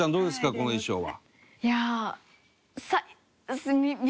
この衣装は。